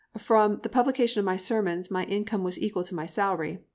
From the publication of my sermons my income was equal to my salary.